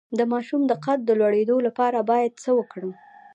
د ماشوم د قد د لوړیدو لپاره باید څه ورکړم؟